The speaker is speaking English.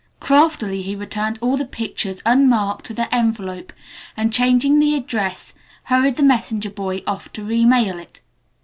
Craftily he returned all the pictures unmarked to the envelope, and changing the address hurried the messenger boy off to remail it.